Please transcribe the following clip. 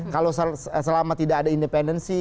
kalau selama tidak ada independensi